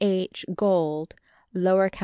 H. Gould, Lower Cal.